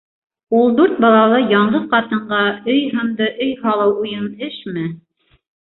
Ул дүрт балалы яңғыҙ ҡатынға өй һынды өй һалыу уйын эшме?